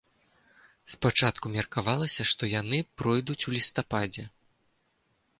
Спачатку меркавалася, што яны пройдуць у лістападзе.